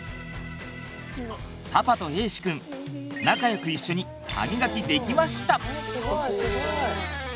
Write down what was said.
パパと瑛志くん仲良く一緒に歯みがきできました！